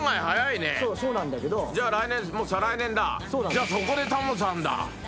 じゃあそこでタモさんだ。